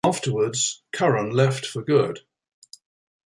Afterwards, Curran left for good.